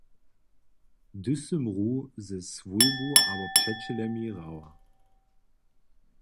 Hdy sym hru ze swójbu abo přećelemi hrała?